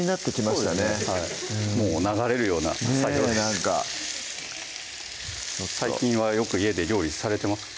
そうですねはい流れるような作業でしたねぇなんか最近はよく家で料理されてますか？